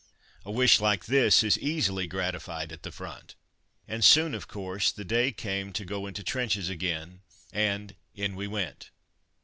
A wish like this is easily gratified at the front, and soon, of course, the day came to go into trenches again, and in we went.